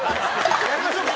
やりましょうか。